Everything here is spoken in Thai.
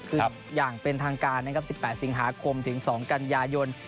คืออย่างเป็นทางการนะครับ๑๘สิงหาคมถึง๒กันยายน